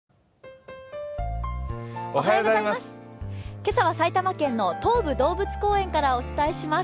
今朝は、埼玉県の東武動物公園からお伝えします。